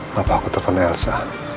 bapak ketemu elsa